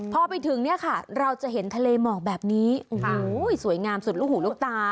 พอไปถึงเนี่ยค่ะเราจะเห็นทะเลหมอกแบบนี้โอ้โหสวยงามสุดลูกหูลูกตา